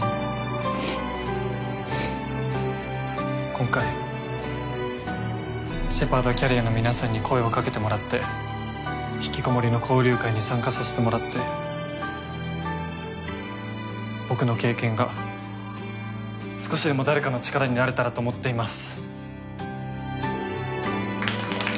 今回シェパードキャリアの皆さんに声をかけてもらって引きこもりの交流会に参加させてもらって僕の経験が少しでも誰かの力になれたらと思っています。